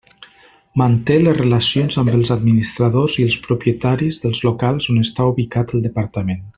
Manté les relacions amb els administradors i els propietaris dels locals on està ubicat el Departament.